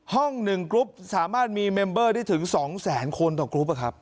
ห้อง๑กรุ๊ปสามารถมีเมมเบอร์ที่ถึง๒แสนคนต่อกรุ๊ปนะครับ